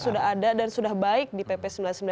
sudah ada dan sudah baik di pp sembilan puluh sembilan